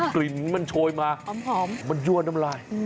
กลิ่นมันโชยมามันยั่วน้ำลาย